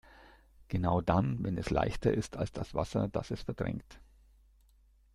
Genau dann, wenn es leichter ist als das Wasser, das es verdrängt.